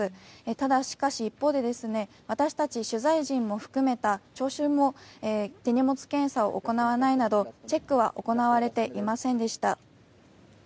ただ、しかし一方で私たち取材陣も含めた聴衆も手荷物検査を行わないなどチェックは行われていませんでした。